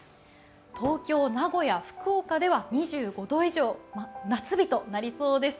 東京、名古屋、福岡では２５度以上、夏日となりそうです。